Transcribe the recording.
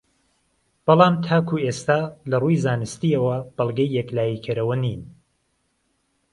بەڵام تاکو ئێستا لەڕووی زانستییەوە بەڵگەی یەکلاییکەرەوە نین